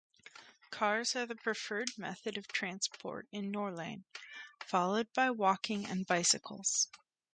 Cars are the preferred method of transport in Norlane, followed by walking and bicycles.